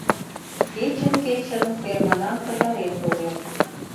Кечын-кечын фермынам пытарен тольо...